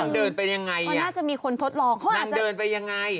นางเดินไปยังไงอ่ะนางเดินไปยังไง